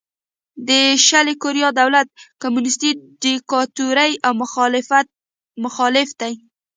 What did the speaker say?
د شلي کوریا دولت کمونیستي دیکتاتوري او مخالف دی.